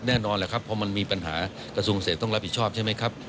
แน่นอนแหละครับพอมันมีปัญหากระทรวงเกษตรต้องรับผิดชอบใช่ไหมครับ